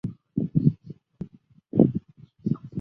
后因资源枯竭而导致失业率上升。